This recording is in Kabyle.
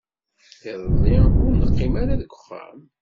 Iḍelli ur neqqim ara deg uxxam.